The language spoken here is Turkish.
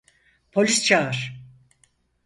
Polis çağır!